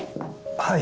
はい。